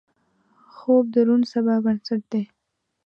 خوب د روڼ سبا بنسټ دی